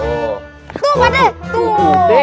tuh tuh tuh